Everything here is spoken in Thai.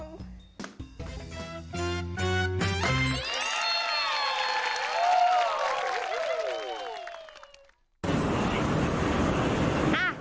หวังว่าอย่าไม่เยี่ยมเลยเผุกดูตรงนี้